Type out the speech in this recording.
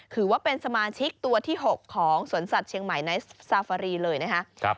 ถือว่าเป็นสมาชิกตัวที่๖ของสวนสัตว์เชียงใหม่ในซาฟารีเลยนะคะ